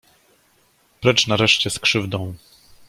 Precz nareszcie z krzywdą!